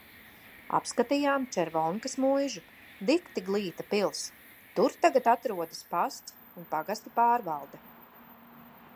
Apskatījām Červonkas muižu. Dikti glīta pils. Tur tagad atrodas pasts un pagasta pārvalde.